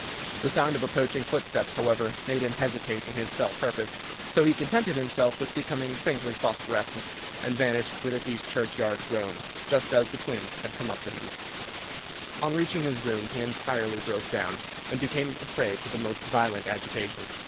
The sound of approaching footsteps, however, made him hesitate in his fell purpose, so he contented himself with becoming faintly phosphorescent, and vanished with a deep churchyard groan, just as the twins had come up to him. [Illustration: "THE TWINS ... AT ONCE DISCHARGED TWO PELLETS ON HIM"] On reaching his room he entirely broke down, and became a prey to the most violent agitation.